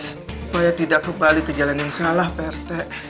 supaya tidak kembali ke jalan yang salah pak rt